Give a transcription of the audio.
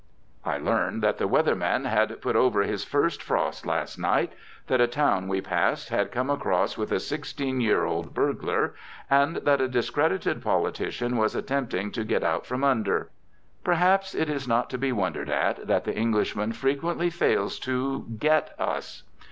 I learned that the weather man had put over his first frost last night, that a town we passed had come across with a sixteen year old burglar, and that a discredited politician was attempting to get out from under. Perhaps it is not to be wondered at that the Englishman frequently fails to get us.